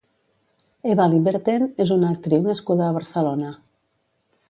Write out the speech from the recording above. Eva Lyberten és una actriu nascuda a Barcelona.